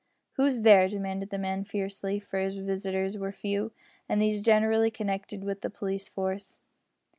"Who's there?" demanded the man, fiercely, for his visitors were few, and these generally connected with the police force.